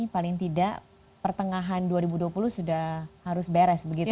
paling tidak pertengahan dua ribu dua puluh sudah harus beres begitu ya